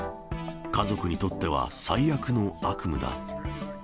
家族にとっては最悪の悪夢だ。